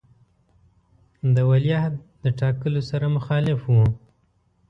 د ولیعهد د ټاکلو سره مخالف وو.